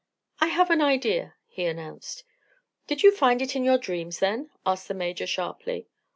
"I have an idea," he announced. "Did you find it in your dreams, then?" asked the Major, sharply.